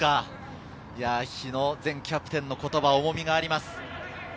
日野前キャプテンの言葉、重みがあります。